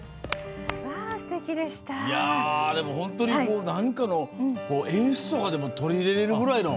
本当に何かの演出とかでも取り入れれるぐらいの。